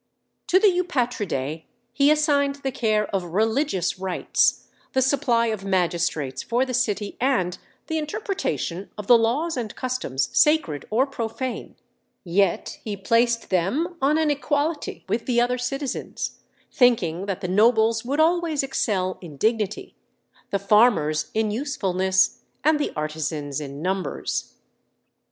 To the Eupatridæ he assigned the care of religious rites, the supply of magistrates for the city, and the interpretation of the laws and customs sacred or profane; yet he placed them on an equality with the other citizens, thinking that the nobles would always excel in dignity, the farmers in usefulness, and the artisans in numbers.